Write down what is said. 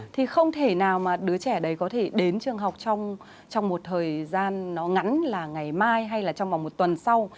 thì không thể nào mà đứa trẻ đấy có thể đến trường học trong một thời gian nó ngắn là ngày mai hay là trong vòng một tuần sau